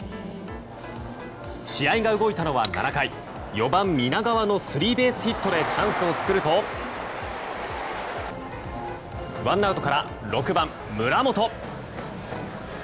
試合が動いたのは７回４番、南川のスリーベースヒットでチャンスを作るとワンアウトから６番、村本。